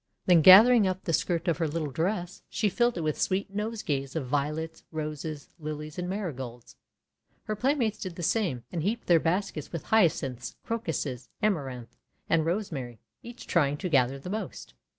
Then, gathering up the skirt of her little dress, she filled it with sweet nosegays of Violets, Roses, Lilies, and Marigolds. Her playmates did the same, and heaped their baskets with Hyacinths, Crocuses, Amaranth, and Rosemary, each trying to gather the most.